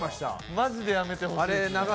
まじでやめてほしい。